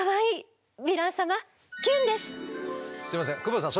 すいません久保田さん